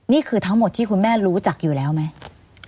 นี่คือทั้งหมดที่คุณแม่รู้จักอยู่แล้วไหม